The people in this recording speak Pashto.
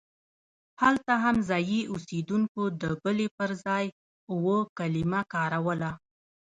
هلته هم ځایي اوسېدونکو د بلې پر ځای اوو کلمه کاروله.